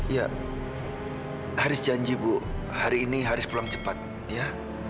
ya haris janji bu hari ini harus pulang cepat ya